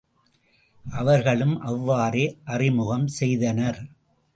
அவர்களும் அவ்வாறே அறிமுகம் செய்தனர்.